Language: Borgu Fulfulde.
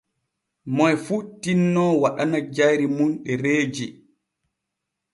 Moy fu tinno waɗana jayri mun ɗereeji.